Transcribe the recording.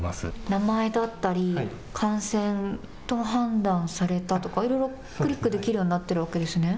名前だったり、感染と判断されたとかいろいろクリックできるようになっているわけですね。